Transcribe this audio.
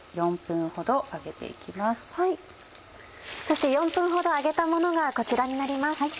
そして４分ほど揚げたものがこちらになります。